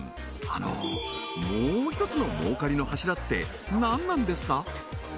あのもう一つの儲かりの柱って何なんですか？